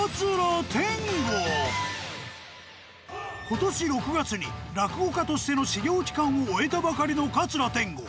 今年６月に落語家としての修業期間を終えたばかりの桂天吾。